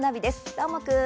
どーもくん！